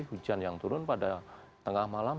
hujan yang turun pada tengah malam